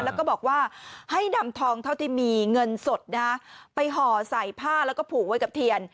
แล้วก็บอกว่าให้นำทองเท่าที่มีเงินสดไปห่อใส่ผ้าแล้วก็ผูกไว้กับเทียน